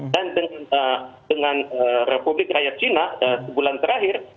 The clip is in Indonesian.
dan dengan republik rakyat cina sebulan terakhir